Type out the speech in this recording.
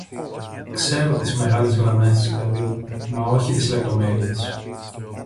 Ξέρω τις μεγάλες γραμμές, παιδί μου, μα όχι τις λεπτομέρειες